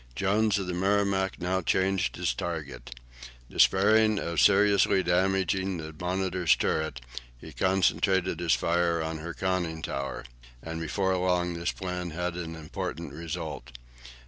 Jones of the "Merrimac" now changed his target. Despairing of seriously damaging the "Monitor's" turret, he concentrated his fire on her conning tower, and before long this plan had an important result.